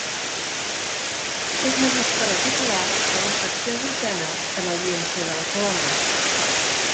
És Magistrada titular de la secció vuitena de l'Audiència de Barcelona.